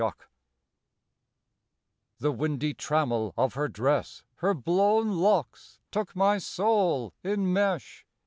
GRACE OF THE WAY The windy trammel of her dress, Her blown locks, took my soul in mesh.